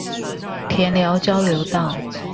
田寮交流道